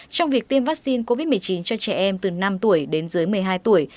trong việc tiêm vaccine covid một mươi chín cho trẻ em từ năm tuổi đến dưới một mươi hai tuổi